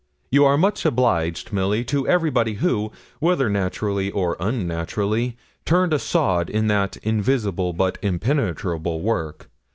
You are much obliged, Milly, to everybody who, whether naturally or un naturally, turned a sod in that invisible, but impenetrable, work.